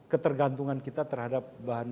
ketergantungan kita terhadap bahan